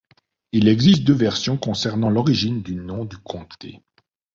Il existe deux versions concernant l'origine du nom du comté.